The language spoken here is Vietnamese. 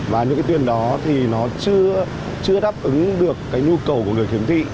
và những cái tuyên đó thì nó chưa đáp ứng được cái nhu cầu của người khiếm thị